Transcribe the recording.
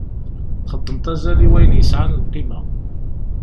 Txeddmeḍ azal i wayen yesɛan lqima.